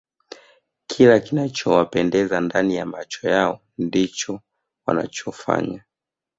kila kinachowapendeza ndani ya macho yao ndicho wanachofanya